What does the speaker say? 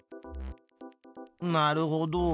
なるほど。